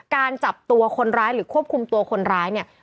การจับตัวคนร้ายหรือควบคุมตัวคนร้ายเนี่ย